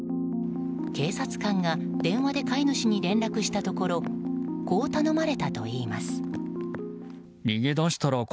警察官が電話で飼い主に連絡したところこう頼まれたといいます。